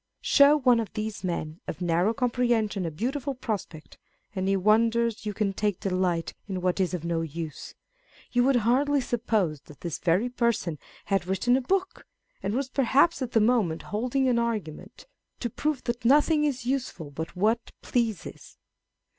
Show one of these men of narrow comprehension a beautiful prospect, and he wonders you can take delight in what is of no use : you would hardly suppose that this very person had written a book, and was perhaps at the moment holding an argument, to prove that nothing is useful but what pleases.